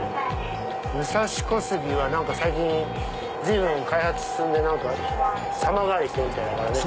武蔵小杉は最近随分開発進んで様変わりしてるみたいだからね。